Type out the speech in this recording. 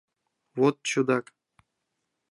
— Вот чудак...